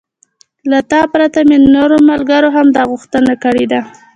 له تا پرته مې له نورو ملګرو هم دا غوښتنه کړې ده.